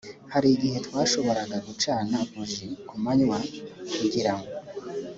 hari igihe twashoboraga gucana buji ku manywa kugira